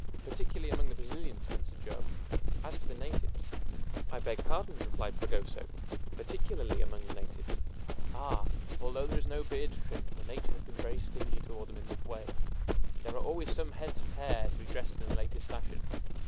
"Particularly among the Brazilians," answered Joam. "As for the natives " "I beg pardon," replied Fragoso, "particularly among the natives. Ah! although there is no beard to trim for nature has been very stingy toward them in that way there are always some heads of hair to be dressed in the latest fashion.